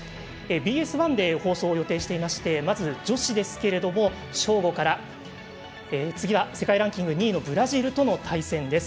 ＢＳ１で放送を予定していましてまず女子ですけれど、正午から次は世界ランキング２位のブラジルとの対戦です。